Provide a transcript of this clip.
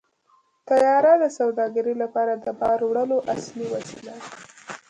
طیاره د سوداګرۍ لپاره د بار وړلو اصلي وسیله ده.